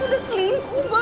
udah selingkuh bang